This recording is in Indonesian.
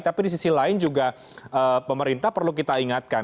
tapi di sisi lain juga pemerintah perlu kita ingatkan